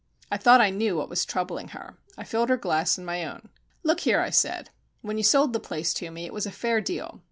I thought I knew what was troubling her. I filled her glass and my own. "Look here," I said. "When you sold the place to me it was a fair deal.